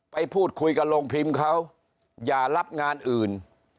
ไปพูดคุยกับโรงพิมพ์เขาอย่ารับงานอื่น